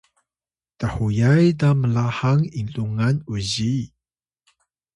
thuyay ta mlahang inlungan uzi